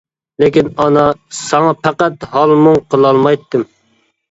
لېكىن ئانا ساڭا پەقەت ھال مۇڭ قىلالمايتتىم.